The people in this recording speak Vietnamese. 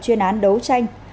chuyên án đấu tranh